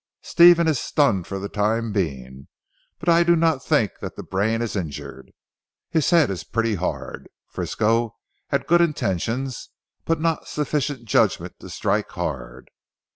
"Stephen is stunned for the time being, but I do not think that the brain is injured. His head is pretty hard. Frisco had good intentions, but not sufficient judgment to strike hard."